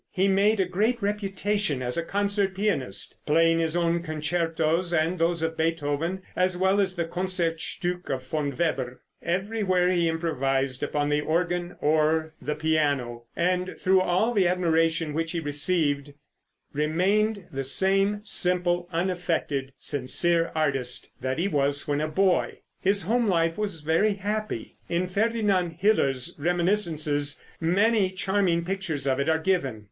He made a great reputation as concert pianist, playing his own concertos and those of Beethoven, as well as the Concertstück of Von Weber. Everywhere he improvised upon the organ or the piano, and through all the admiration which he received remained the same simple, unaffected, sincere artist that he was when a boy. His home life was very happy. In Ferdinand Hiller's reminiscences many charming pictures of it are given.